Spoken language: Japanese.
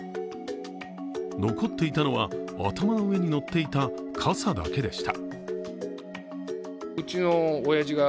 残っていたのは、頭の上にのっていた、かさだけでした。